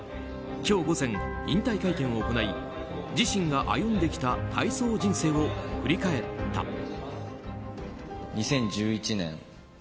今日午前、引退会見を行い自身が歩んできた体操人生を振り返った。